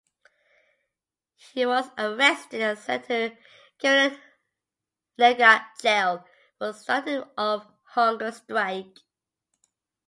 He was arrested and sent to Karimnagar Jail for starting of hunger strike.